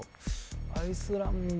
アイスランド。